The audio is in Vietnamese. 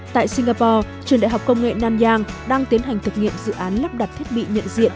tại singapore trường đại học công nghệ nam giang đang tiến hành thực nghiệm dự án lắp đặt thiết bị nhận diện